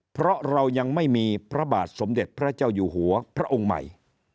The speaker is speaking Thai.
เพราะเรายังไม่มีพระบาทสมเด็จพระเจ้าอยู่หัวพระองค์ใหม่